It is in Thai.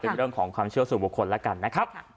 เป็นเรื่องของความเชื่อสู่บุคคลแล้วกันนะครับ